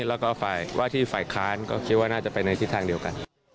แล้วก็ฝ่ายว่าที่ฝ่ายค้านก็คิดว่าน่าจะไปในทิศทางเดียวกัน